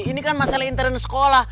ini kan masalah intern sekolah